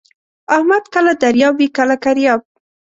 احمد کله دریاب وي کله کریاب.